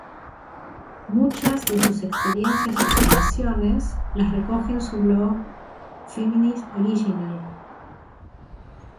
Muchas de sus experiencias y observaciones las recoge en su blog "feminist-original".